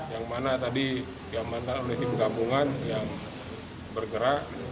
yang mana tadi diamankan oleh tim gabungan yang bergerak